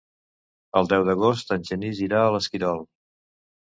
El deu d'agost en Genís irà a l'Esquirol.